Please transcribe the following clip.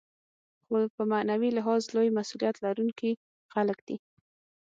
خو په معنوي لحاظ لوی مسوولیت لرونکي خلک دي.